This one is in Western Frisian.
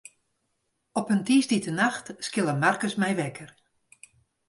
Op in tiisdeitenacht skille Markus my wekker.